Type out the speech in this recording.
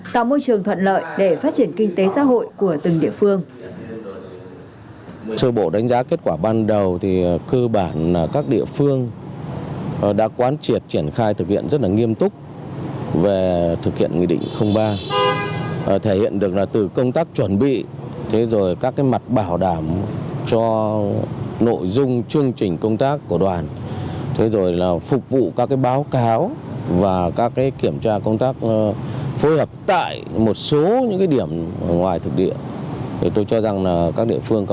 tạo môi trường thuận lợi để phát triển kinh tế xã hội của từng địa phương